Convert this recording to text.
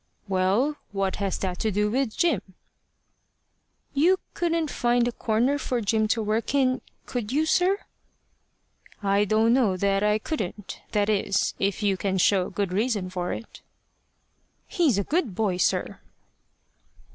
"Well, what has that to do with Jim?" "You couldn't find a corner for Jim to work in could you, sir?" "I don't know that I couldn't. That is, if you can show good reason for it." "He's a good boy, sir."